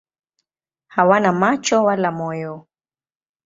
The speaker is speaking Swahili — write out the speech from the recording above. Hawana macho wala moyo.